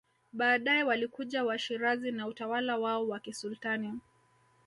Baadae walikuja Washirazi na utawala wao wa kisultani